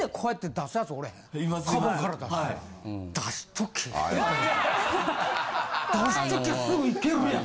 出しときゃすぐ行けるやん。